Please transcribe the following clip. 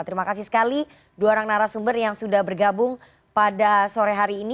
terima kasih sekali dua orang narasumber yang sudah bergabung pada sore hari ini